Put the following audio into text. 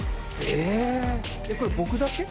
えっこれ僕だけ？